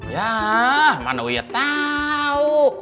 yah mana uya tau